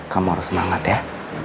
kamu harus semangat ya